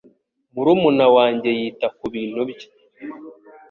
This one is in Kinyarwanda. Murumuna wanjye yita kubintu bye.